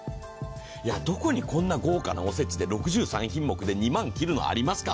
どこにこんな豪華なおせちで６３品目で、２万切るの、ありますか？